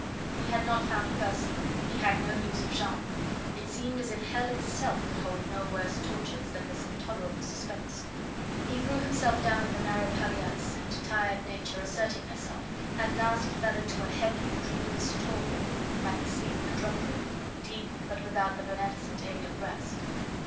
He had not found Percy, he had no news of Jeanne; it seemed as if hell itself could hold no worse tortures than this intolerable suspense. He threw himself down on the narrow palliasse and, tired nature asserting herself, at last fell into a heavy, dreamless torpor, like the sleep of a drunkard, deep but without the beneficent aid of rest.